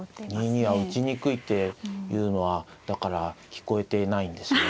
２二は打ちにくいっていうのはだから聞こえてないんですね。